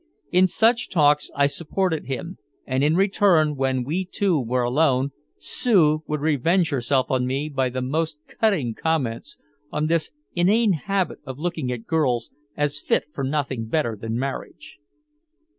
In such talks I supported him, and in return when we two were alone Sue would revenge herself on me by the most cutting comments on "this inane habit of looking at girls as fit for nothing better than marriage."